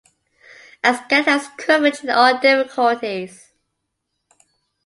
A Scout has courage in all difficulties.